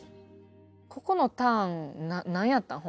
ここのターンなんやったん？